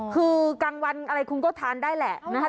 คือกลางวันแบบนี้คงก็ทานได้แหละ